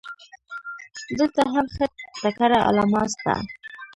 دلته هم ښه تکړه علما سته.